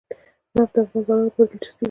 نفت د افغان ځوانانو لپاره دلچسپي لري.